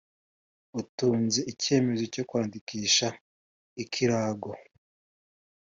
Utunze icyemezo cyo kwandikisha ikirango